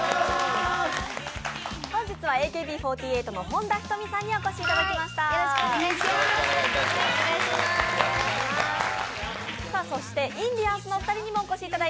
本日はＡＫＢ４８の本田仁美さんにお越しいただきました。